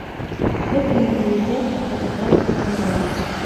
Гэта менталітэт, гэта трэба фарміраваць.